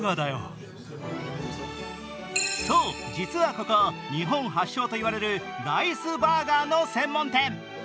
そう、実はここ、日本発祥といわれるライスバーガーの専門店。